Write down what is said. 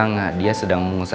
nggak ada uangnya beautiful nya